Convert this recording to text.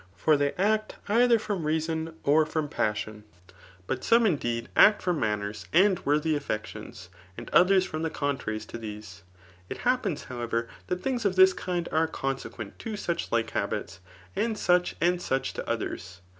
For they act, either from reason, or from passion* But 6S THB ART OF BOOK U tome, indeed, act from manners and worthy afectiCns j and otherB from the contraries to these. It happens^ however, that things of this kind are consequent to such like habits, and such and such to others.